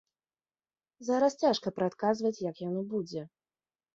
Зараз цяжка прадказваць, як яно будзе.